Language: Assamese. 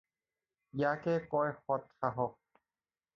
ইয়াকে কয় সৎসাহস